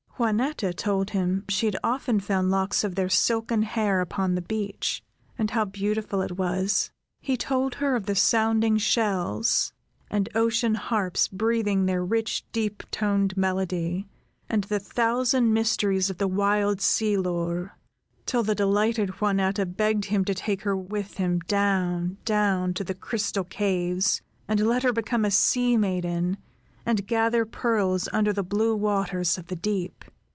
Juanetta told him she had often found locks of their silken hair upon the beach, and how beautiful it was. He told her of the sounding shells, and ocean harps breathing their rich, deep toned melody, and the thousand mysteries of the wild sea lore, till the delighted Juanetta begged him to take her with him down, down to the crystal caves, and let her become a sea maiden, and gather pearls under the blue waters of the deep.